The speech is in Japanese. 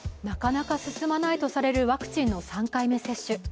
なかなか進まないとされるワクチンの３回目接種。